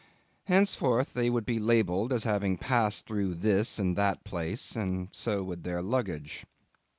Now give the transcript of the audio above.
Henceforth they would be labelled as having passed through this and that place, and so would be their luggage.